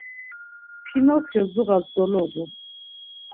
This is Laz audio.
Pinokyo zuğas dololu.